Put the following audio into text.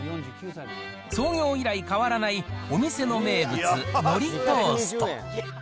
創業以来変わらないお店の名物、のりトースト。